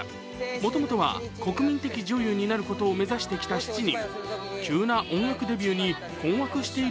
もともとは国民的女優になることを目指してきた７人。